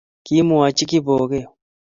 Kimwoch Kipokeo